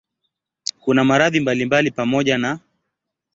Kuna maradhi mbalimbali pamoja na